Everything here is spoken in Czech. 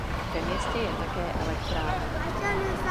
Ve městě je také elektrárna.